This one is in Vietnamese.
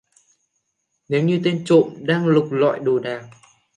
Nếu như tên trộm đang lục lọi đồ đạc